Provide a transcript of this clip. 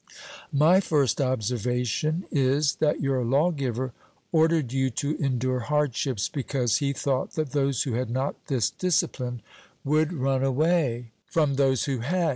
My first observation is, that your lawgiver ordered you to endure hardships, because he thought that those who had not this discipline would run away from those who had.